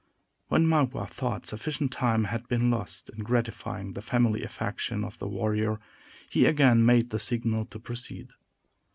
When Magua thought sufficient time had been lost in gratifying the family affection of the warrior, he again made the signal to proceed.